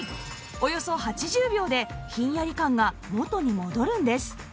およそ８０秒でひんやり感が元に戻るんです